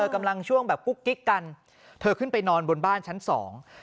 กำลังช่วงแบบกุ๊กกิ๊กกันเธอขึ้นไปนอนบนบ้านชั้นสอง